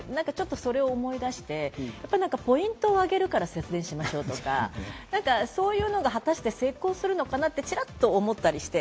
それを思い出して、ポイントをあげるから節電しましょうとか、そういうのが果たして成功するのかなとチラッと思ったりして。